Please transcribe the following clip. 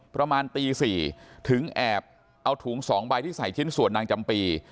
ประมาณตี๔ถึงแอบเอาถุง๒ใบที่ใส่ชิ้นส่วนนางจำปี